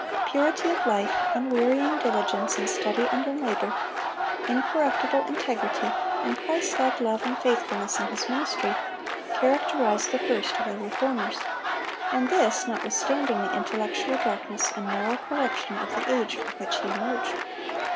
Purity of life, unwearying diligence in study and in labor, incorruptible integrity, and Christlike love and faithfulness in his ministry, characterized the first of the Reformers. And this notwithstanding the intellectual darkness and moral corruption of the age from which he emerged.